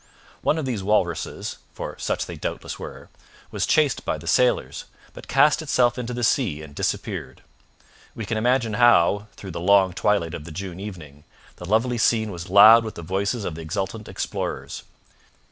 One of these walruses, for such they doubtless were, was chased by the sailors, but cast itself into the sea and disappeared. We can imagine how, through the long twilight of the June evening, the lovely scene was loud with the voices of the exultant explorers.